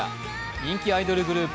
人気アイドルグループ